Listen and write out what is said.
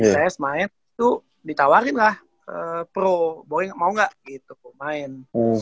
di tes main tuh ditawarin lah pro boleh mau gak gitu main